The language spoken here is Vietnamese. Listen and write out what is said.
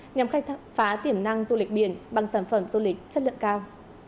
nhằm khai thác phá tiềm năng du lịch biển bằng sản phẩm du lịch chất lượng cao